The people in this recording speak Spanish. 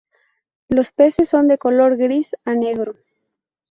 Los peces son de color gris a negro.